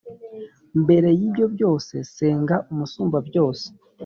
mbere y’ibyo byose, senga Umusumbabyose,